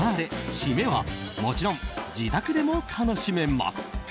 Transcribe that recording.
シメはもちろん自宅でも楽しめます。